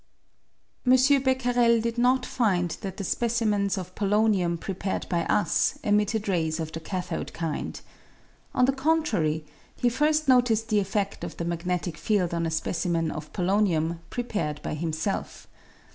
M. Becquerel did not find that the specimens of polonium prepared by us emitted rays of the cathode kind. On the contrary, he first noticed the effed of the magnetic field on a specimen of polonium prepared by himself.